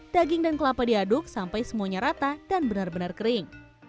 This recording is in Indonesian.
daging dan kelapa diaduk sampai semuanya rata dan benar benar kering